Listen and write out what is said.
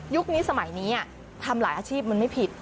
นี้สมัยนี้ทำหลายอาชีพมันไม่ผิด